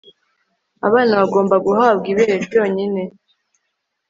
abana bagomba guhabwa ibere ryonyine